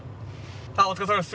あっお疲れさまです。